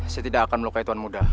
saya tidak akan melukai tuan muda